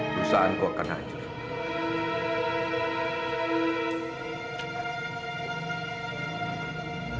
perusahaanku akan hancur